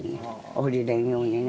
下りれんようにね。